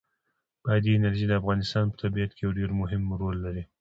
بادي انرژي د افغانستان په طبیعت کې یو ډېر مهم او پیاوړی رول لري.